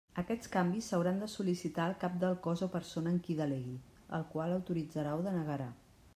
Aquests canvis s'hauran de sol·licitar al Cap del Cos o persona en qui delegui, el qual autoritzarà o denegarà.